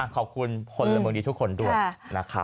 ขอบคุณพลเมืองดีทุกคนด้วยนะครับ